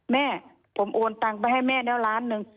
แม่ผมโอนตังไปให้แม่แล้วล้านหนึ่ง